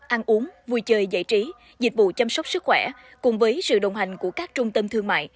ăn uống vui chơi giải trí dịch vụ chăm sóc sức khỏe cùng với sự đồng hành của các trung tâm thương mại